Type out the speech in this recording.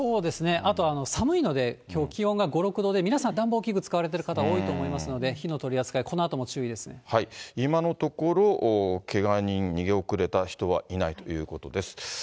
あと寒いので、きょう気温が５、６度で、皆さん、暖房器具を使われている方、多いと思いますので、火の取今のところ、けが人、逃げ遅れた人はいないということです。